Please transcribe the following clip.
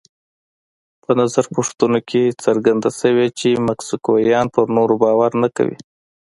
په نظر پوښتنو کې څرګنده شوې چې مکسیکویان پر نورو باور نه کوي.